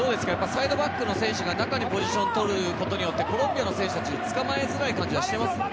サイドバックの選手が中にポジションを取ることによってコロンビアの選手が捕まえづらい感じはしていますか？